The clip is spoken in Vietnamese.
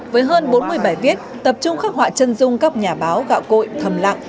với hơn bốn mươi bài viết tập trung khắc họa chân dung các nhà báo gạo cội thầm lặng